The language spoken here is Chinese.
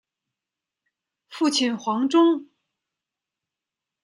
父亲黄中。